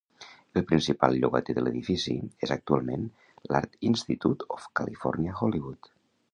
El principal llogater de l'edifici és actualment l'Art Institute of California-Hollywood.